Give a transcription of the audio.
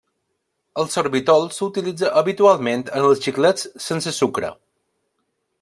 El sorbitol s'utilitza habitualment en els xiclets sense sucre.